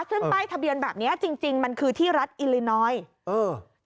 ซึ่งป้ายทะเบียนแบบนี้จริงมันคือที่รัฐอิเลนอยด์